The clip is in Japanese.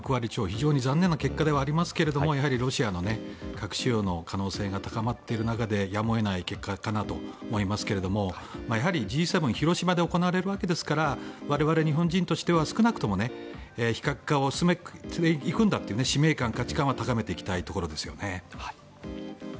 非常に残念な結果ではありますがやはりロシアの核使用の可能性が高まっていることでやむを得ない結果かなと思いますがＧ７、広島で行われるわけですから我々日本人としては、少なくとも非核化を進めていくんだという使命感、価値観は高めていきたいところですね。